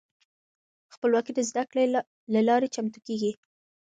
خپلواکې د زده کړې له لارې چمتو کیږي.